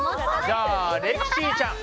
じゃあレクシーちゃん。